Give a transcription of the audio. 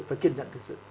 phải kiên nhẫn thật sự